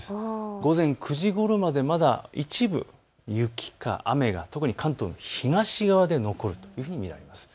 午前９時ごろまで、まだ一部、雪か雨が関東の東側に残るというふうに見られます。